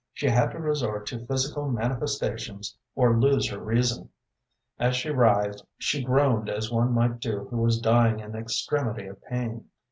She had to resort to physical manifestations or lose her reason. As she writhed, she groaned as one might do who was dying in extremity of pain.